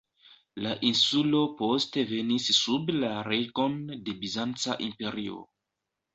La insulo poste venis sub la regon de Bizanca imperio.